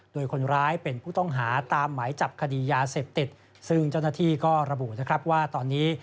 โดยคนร้ายเป็นผู้ต้องหาตามหมายจับคดียาเสพติดซึ่งเจ้าหน้าที่ก็ระบุนะครับว่าตอนนี้